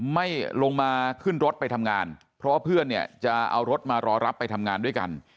ไม่ลงมาขึ้นรถไปทำงานเพราะว่าเพื่อนเนี่ยจะเอารถมารอรับไปทำงานด้วยกัน